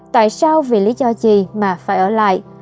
tại sao vì lý do gì mà phải ở lại